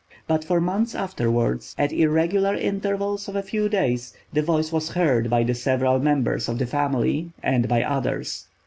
But for months afterward, at irregular intervals of a few days, the voice was heard by the several members of the family, and by others.